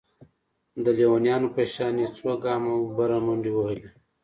د ليونيانو په شان يې څو ګامه بره منډې وهلې.